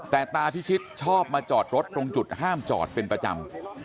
แต่ตาพิชิตชอบมาจอดรถตรงจุดห้ามจอดเป็นประจำ